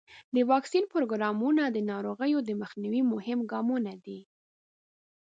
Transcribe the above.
د واکسین پروګرامونه د ناروغیو د مخنیوي مهم ګامونه دي.